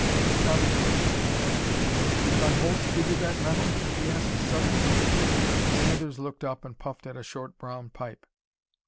Tommy blinked. "Did Von Holtz give you that metal?" he asked suddenly. Smithers looked up and puffed at a short brown pipe.